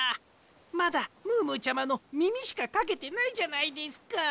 まだムームーちゃまのみみしかかけてないじゃないですか！